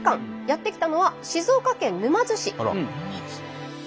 やって来たのは静岡県沼津市。